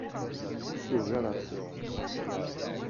Ugareɣ-ten.